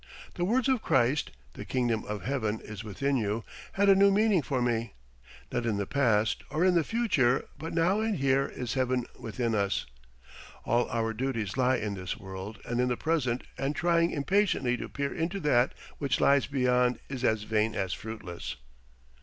The words of Christ "The Kingdom of Heaven is within you," had a new meaning for me. Not in the past or in the future, but now and here is Heaven within us. All our duties lie in this world and in the present, and trying impatiently to peer into that which lies beyond is as vain as fruitless.